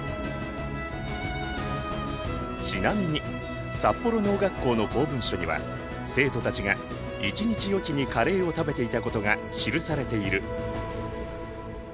ちなみに札幌農学校の公文書には生徒たちが１日おきにカレーを食べていたことが記されている。